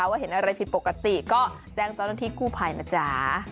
เมื่อเห็นอะไรผิดปกติก็แจ้งเจ้าหน้าที่กู้พ่ายมาจ้า